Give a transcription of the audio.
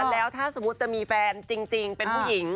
แล้วถ้าสมมุติจะมีแฟนจริงเป็นผู้หญิง